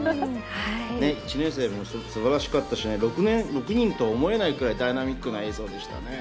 １年生も素晴らしかったですし、６人とは思えないほどのダイナミックな映像でしたね。